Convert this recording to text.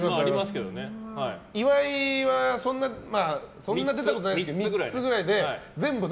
岩井はそんな出たことないですけど３つぐらいね。